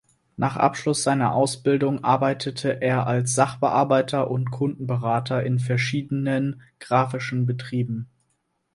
Nach Abschluss seiner Ausbildung arbeitete er als Sachbearbeiter und Kundenberater in verschiedenen grafischen Betrieben.